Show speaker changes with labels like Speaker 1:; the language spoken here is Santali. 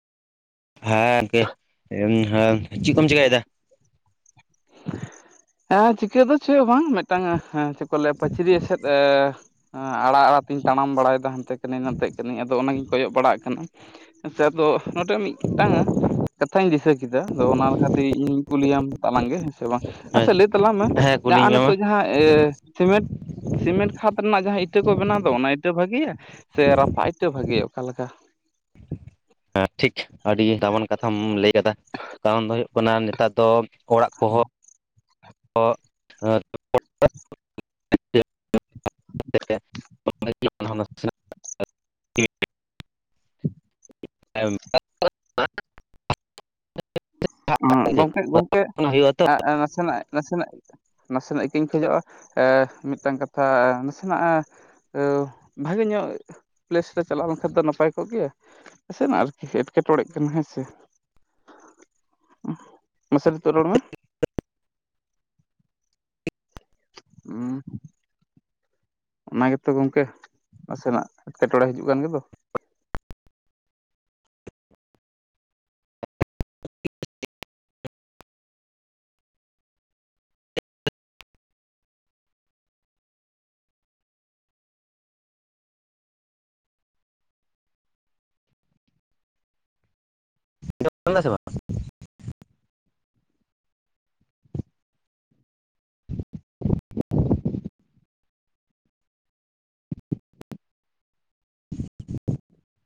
Speaker 1: ᱦᱮᱸ ᱠᱮ ᱦᱮᱸ ᱪᱮᱫ ᱠᱚᱢ ᱪᱮᱠᱟᱭ ᱫᱟ
Speaker 2: ᱦᱮᱸ ᱪᱤᱠᱟᱹ ᱫᱚ ᱪᱮᱫ ᱦᱚᱸ ᱵᱟᱝ ᱢᱤᱫᱴᱟᱝ ᱪᱮᱫ ᱠᱚ ᱞᱟᱹᱭᱟ ᱯᱟᱹᱪᱨᱤ ᱥᱮᱫᱮᱫ ᱮᱸ ᱟᱲᱟᱜ ᱟᱲᱟᱜ ᱛᱮ ᱛᱟᱲᱟᱢ ᱵᱟᱲᱟᱭᱮᱫᱟ ᱦᱟᱱᱛᱮ ᱠᱟᱹᱱᱟᱹᱧ ᱱᱟᱛᱮᱜ ᱠᱟᱹᱱᱟᱹᱧ ᱟᱫᱚ ᱚᱱᱟᱜᱤᱧ ᱠᱚᱭᱚᱜ ᱵᱟᱲᱟᱜ ᱠᱟᱱᱟ ᱥᱮ ᱫᱚ ᱱᱚᱛᱮ ᱢᱤᱫᱴᱟᱝ ᱠᱟᱛᱷᱟᱹᱧ ᱫᱤᱥᱟᱹ ᱠᱮᱫᱟ ᱠᱮᱫᱟ ᱟᱫᱚ ᱚᱱᱟ ᱞᱮᱠᱟᱛᱮ ᱤᱧ ᱠᱩᱞᱤᱭᱟᱢ ᱛᱟᱝ ᱜᱮ ᱥᱮ ᱵᱟᱝ
Speaker 1: ᱦᱮᱸ
Speaker 2: ᱞᱟᱹᱭ ᱛᱟᱞᱟᱝ ᱢᱮ
Speaker 1: ᱦᱮᱸ ᱠᱩᱞᱤᱧ
Speaker 2: ᱡᱟᱦᱟᱸ
Speaker 1: ᱢᱮ ᱢᱟ
Speaker 2: ᱱᱤᱛᱚᱜ ᱡᱟᱦᱟᱸ ᱥᱤᱢᱮᱱᱴ ᱥᱤᱢᱮᱱᱴ ᱠᱷᱟᱛ ᱨᱮᱱᱟᱜ ᱡᱟᱦᱟᱸ ᱤᱴᱟᱹ ᱠᱚ ᱵᱮᱱᱟᱣ ᱫᱚ ᱚᱱᱟ ᱤᱴᱟᱹ ᱵᱷᱟᱹᱜᱤᱭᱟ ᱥᱮ ᱨᱟᱯᱟᱜ ᱤᱴᱟᱹ ᱵᱷᱟᱜᱮᱭᱟ ᱚᱠᱟᱮᱠᱟ
Speaker 1: ᱦᱮᱸ ᱴᱷᱤᱠ ᱟᱹᱰᱤ ᱫᱟᱢᱟᱱ ᱠᱟᱛᱷᱟᱢ ᱞᱟᱹᱭ ᱠᱟᱫᱟ ᱠᱟᱨᱚᱱ ᱫᱚ ᱦᱩᱭᱩᱜ ᱠᱟᱱᱟ ᱱᱮᱛᱟᱨ ᱫᱚ ᱚᱲᱟᱜ ᱠᱚᱦᱚᱸ [inaudible] [unintelligible] [unintelligible]
Speaker 2: ᱜᱚᱝᱠᱮ ᱜᱚᱝᱠᱮ
Speaker 1: ᱦᱩᱭᱩᱜᱼᱟ ᱛᱚ
Speaker 2: ᱱᱟᱥᱮᱱᱟᱜ ᱱᱟᱥᱮᱱᱟᱜ ᱱᱟᱥᱮᱱᱟᱜ ᱤᱠᱟᱹᱧ ᱠᱷᱚᱡᱚᱜᱼᱟ ᱢᱤᱫᱴᱟᱝ ᱠᱟᱛᱷᱟ ᱱᱟᱥᱮᱱᱟᱜ ᱳ ᱵᱷᱟᱜᱮ ᱧᱚᱜ ᱯᱞᱮᱥ ᱨᱮ ᱪᱟᱞᱟᱣ ᱞᱮᱱᱠᱷᱟᱱ ᱫᱚ ᱱᱟᱯᱟᱭ ᱠᱚᱜ ᱜᱮᱭᱟ ᱱᱟᱥᱮ ᱱᱟᱝ ᱟᱨᱠᱤ ᱮᱴᱠᱮᱴᱚᱬᱮᱜ ᱠᱟᱱᱟ ᱦᱮᱸ ᱥᱮ ᱩᱸ ᱢᱟᱥᱮ ᱱᱤᱛᱳᱜ ᱨᱟᱲ ᱢᱮ ᱩᱸ ᱚᱱᱟ ᱜᱮᱛᱚ ᱜᱚᱝᱠᱮ ᱱᱟᱥᱮᱱᱟᱜ ᱮᱴᱠᱮᱴᱚᱲᱮ ᱦᱤᱡᱩᱜ ᱠᱟᱱ ᱜᱮᱫᱚ
Speaker 1: [unintelligible]